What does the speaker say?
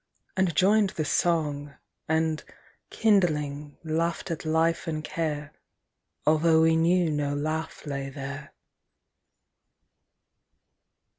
—and joined the song; And, kindling, laughed at life and care, Although we knew no laugh lay there.